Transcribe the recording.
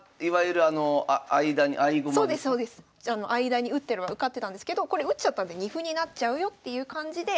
間に打ってれば受かってたんですけどこれ打っちゃったんで二歩になっちゃうよっていう感じで。